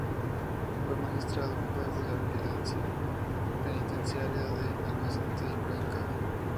Fue magistrado-juez de Vigilancia Penitenciaria de Albacete y Cuenca.